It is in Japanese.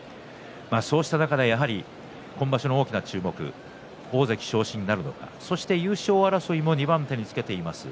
そうした中で今場所の大きな注目大関昇進になるのか、そして優勝争いの二番手につけています